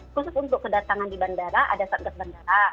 khusus untuk kedatangan di bandara ada satgas bandara